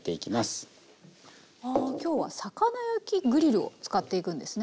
あ今日は魚焼きグリルを使っていくんですね。